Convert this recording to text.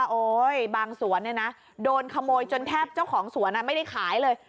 บางสวนเนี่ยนะโดนขโมยจนแทบเจ้าของสวนไม่ได้ขายเลย